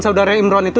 saudara imron itu